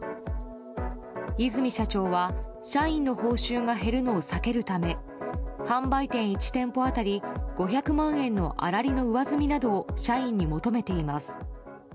和泉社長は社員の報酬が減るのを避けるため販売店１店舗当たり５００万円の粗利の上積みなどを社員に求めています。